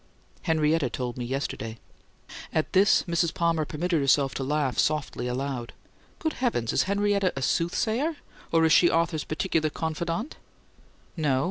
"Henrietta told me yesterday." At this Mrs. Palmer permitted herself to laugh softly aloud. "Good heavens! Is Henrietta a soothsayer? Or is she Arthur's particular confidante?" "No.